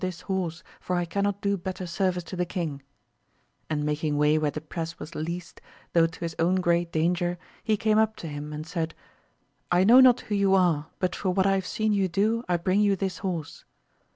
217 this horse, for I cannot do better service to the king ; and making way where the press was least, though to his own great danger, he came up to him and said, I know not who you are, but for what I have seen you do I bring you this horse.